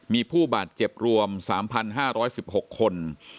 มีผู้บาดเจ็บรวม๓๕๑๖คน